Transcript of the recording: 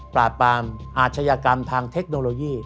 ปราบปรามอาชญากรรมทางเทคโนโลยี